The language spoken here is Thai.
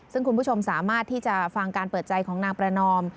ซึ่งคุณผู้ชมสามารถที่จะฟังการเปิดใจของนางประนอม